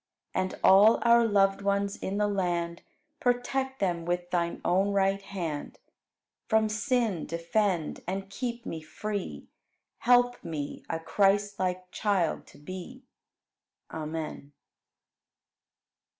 And all our loved ones in the land, Protect them with Thine own right hand. From sin defend and keep me free; Help me a Christlike child to be. Amen.